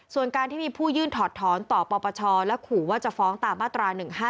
ส่วนการที่มีผู้ยื่นถอดถอนต่อปปชและขู่ว่าจะฟ้องตามมาตรา๑๕๗